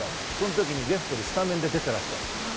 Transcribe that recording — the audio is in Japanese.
レフトでスタメンで出ていらっしゃる。